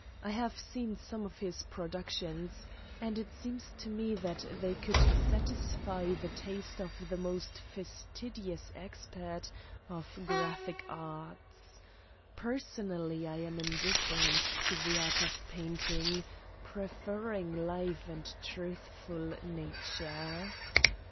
I have seen some of his productions, and it seems to me that they could satisfy the taste of the most fastidious expert of graphic arts. Personally I am indifferent to the art of painting, preferring live and truthful nature.)